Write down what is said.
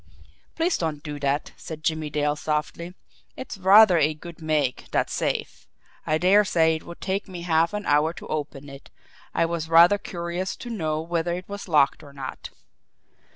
"Please don't do that," said Jimmie Dale softly. "It's rather a good make, that safe. I dare say it would take me half an hour to open it. I was rather curious to know whether it was locked or not."